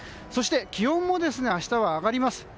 そして、気温も明日は上がります。